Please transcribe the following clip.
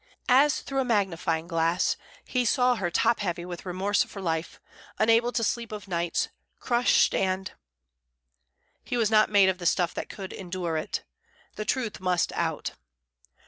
As through a magnifying glass he saw her top heavy with remorse for life, unable to sleep of nights, crushed and He was not made of the stuff that could endure it. The truth must out.